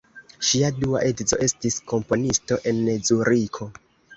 Ŝia dua edzo estis komponisto en Zuriko.